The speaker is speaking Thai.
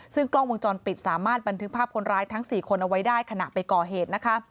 ซึ่งกล้องวงจรปิดสามารถบันทึกภาพคนร้ายทั้ง๔คนเอาไว้ได้ขณะไปก่อเหตุนะคะ